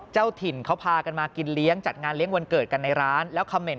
เจ้าถิ่นเขาพากันมากินเลี้ยงจัดงานเลี้ยงวันเกิดกันในร้านแล้วคำเหน่น